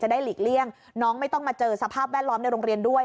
ได้หลีกเลี่ยงน้องไม่ต้องมาเจอสภาพแวดล้อมในโรงเรียนด้วย